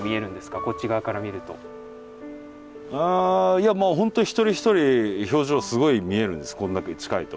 いやもう本当一人一人表情すごい見えるんですこんだけ近いと。